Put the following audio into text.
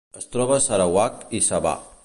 Es troba a Sarawak i Sabah.